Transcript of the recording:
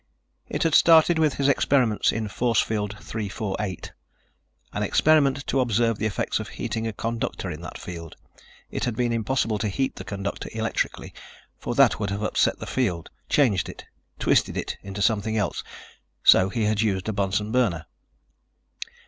It had started with his experiments in Force Field 348, an experiment to observe the effects of heating a conductor in that field. It had been impossible to heat the conductor electrically, for that would have upset the field, changed it, twisted it into something else. So he had used a Bunsen burner.